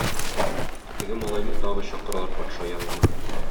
Теге малайны тагы чакыралар патша янына.